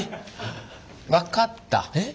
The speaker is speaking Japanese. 分かった！